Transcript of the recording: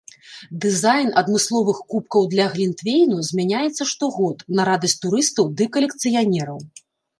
Дызайн адмысловых кубкаў для глінтвейну змяняецца штогод, на радасць турыстаў ды калекцыянераў.